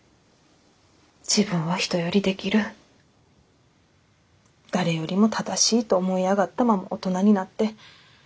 自分は人よりできる誰よりも正しいと思い上がったまま大人になって。